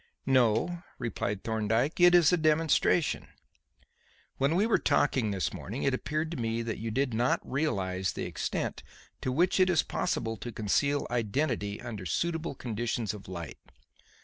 "No," replied Thorndyke; "it is a demonstration. When we were talking this morning it appeared to me that you did not realize the extent to which it is possible to conceal identity under suitable conditions of light.